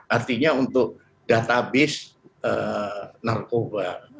artinya untuk database narkoba